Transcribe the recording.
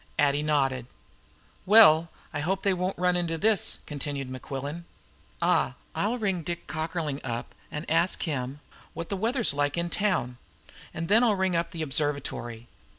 Addie nodded. "Well, I hope they won't run into this," continued Mequillen. "Ah! I'll ring Dick Cockerlyne up, and ask him what the weather's like in town. And then I'll ring up the Observatory."